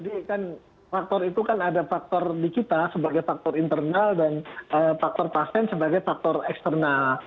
dan faktor itu kan ada faktor di kita sebagai faktor internal dan faktor pasien sebagai faktor eksternal